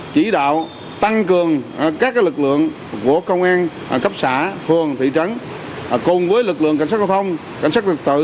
công an cấp xã phường thị trấn cùng với lực lượng cảnh sát giao thông cảnh sát lực tự